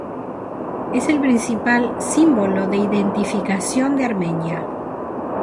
Es el principal símbolo de identificación de Armenia.